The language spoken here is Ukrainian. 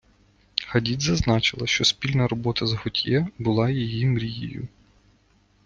Хадід зазначила, що спільна робота з Готьє була її мрією.